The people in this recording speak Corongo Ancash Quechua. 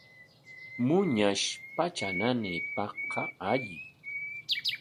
Muñash patra nanaypaqqa alli.